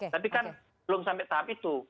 tapi kan belum sampai tahap itu